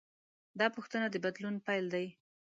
دا پوښتنه د بدلون پیل دی.